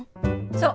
そう。